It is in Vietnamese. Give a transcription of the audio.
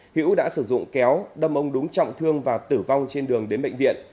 hữu đã sử dụng kéo đâm ông đúng trọng thương và tử vong trên đường đến bệnh viện